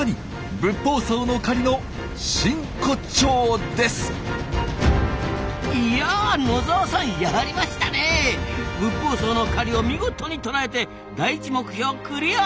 ブッポウソウの狩りを見事に捉えて第１目標クリア！